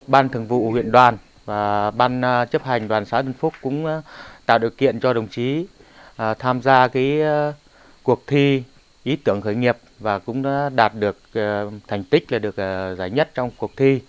ban thường vụ huyện đoàn và ban chấp hành đoàn xã tân phúc cũng tạo điều kiện cho đồng chí tham gia cuộc thi ý tưởng khởi nghiệp và cũng đã đạt được thành tích là được giải nhất trong cuộc thi